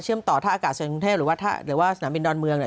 เชื่อมต่อท่าอากาศสหรัฐกรุงเทพฯหรือว่าสนามบินดอนเมืองเนี่ย